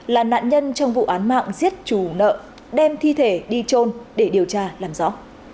là nạn nhân trong vụ án mạng giết trù nợ đem thi thể đi trôn để điều tra làm rõ